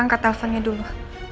angkat telponnya dulu